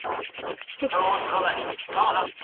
که یو ماډل بریالی شي نو شرکت ژغورل کیږي.